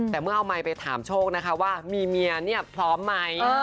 แต่เมื่อเอาไมซ์ไปถามโชโกฯมีเมียพร้อมไหม